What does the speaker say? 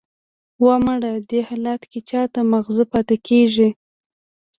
"اوه، مړه! دې حالت کې چا ته ماغزه پاتې کېږي!"